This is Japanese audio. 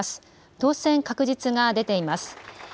当選確実が出ています。